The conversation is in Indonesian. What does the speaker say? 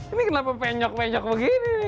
ini kenapa penyok penyok begini nih